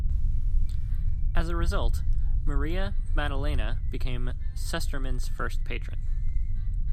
As a result, Maria Maddalena became Sustermans' first patron.